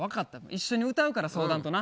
一緒に歌うから相談とな。